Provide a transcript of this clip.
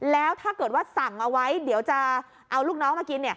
แล้วถ้าเกิดว่าสั่งเอาไว้เดี๋ยวจะเอาลูกน้องมากิน